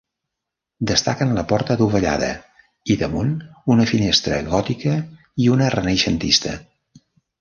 Destaquen la porta adovellada i, damunt, una finestra gòtica i una renaixentista.